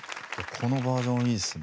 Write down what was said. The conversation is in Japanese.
このバージョンいいっすね。